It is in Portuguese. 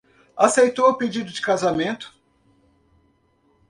Aceitou o pedido de casamento